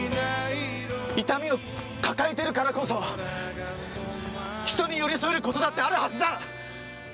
痛みを抱えているからこそ人に寄り添えることだってあるはずだ。